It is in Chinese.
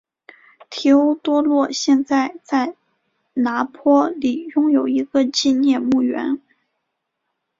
提欧多洛现在在拿坡里拥有一个纪念墓园。